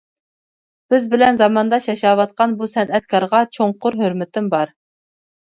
بىز بىلەن زامانداش ياشاۋاتقان بۇ سەنئەتكارغا چوڭقۇر ھۆرمىتىم بار.